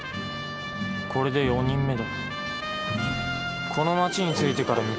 これで４人目だ。